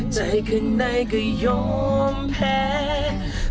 ใจข้างในก็ยอมแพ้